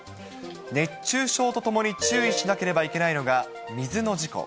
熱中症とともに注意しなければいけないのが、水の事故。